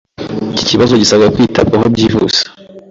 ] Iki kibazo gisaba kwitabwaho byihuse.